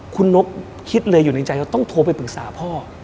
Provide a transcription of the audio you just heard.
คุณนกคิดเลยอยู่ในใจว่าต้องโทรไปปรึกษาพ่อ